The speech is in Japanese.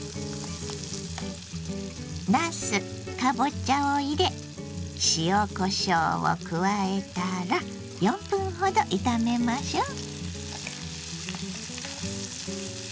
なすかぼちゃを入れ塩こしょうを加えたら４分ほど炒めましょう。